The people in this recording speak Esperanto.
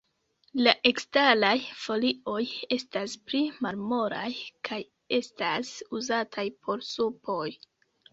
La eksteraj folioj estas pli malmolaj, kaj estas uzataj por supoj.